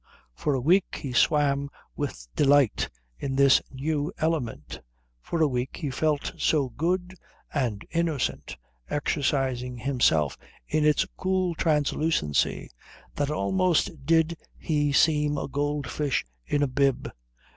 For a week he swam with delight in this new element; for a week he felt so good and innocent, exercising himself in its cool translucency, that almost did he seem a goldfish in a bib.